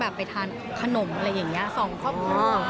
ไปทานขนมอะไรอย่างนี้สองครอบครัว